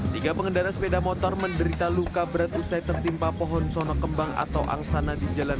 tiga pengendara sepeda motor menderita luka berat usai tertimpa pohon sono kembang atau angsana di jalan